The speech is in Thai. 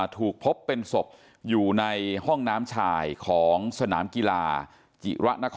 ถูกพบเป็นศพอยู่ในห้องน้ำชายของสนามกีฬาจิระนคร